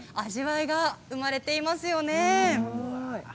味わいが生まれていますよね。